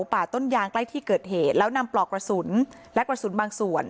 ป่าต้นยางใกล้ที่เกิดเหตุแล้วนำปลอกกระสุนและกระสุนบางส่วน